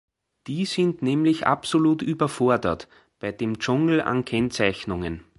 Die sind nämlich absolut überfordert bei dem Dschungel an Kennzeichnungen.